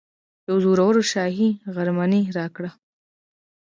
یوه زوروره شاهي غرمنۍ راکړه.